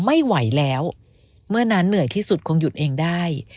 ไม่ไหวแล้วเมื่อนั้นเหนื่อยที่สุดคงหยุดเองได้